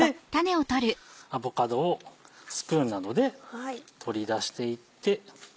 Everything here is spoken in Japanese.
でアボカドをスプーンなどで取り出していって。